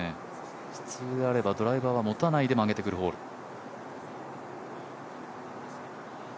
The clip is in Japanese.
普通であればドライバーは持たないで曲げてくるホール。